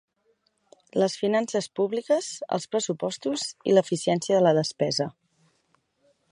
Les finances públiques, els pressupostos i l'eficiència de la despesa.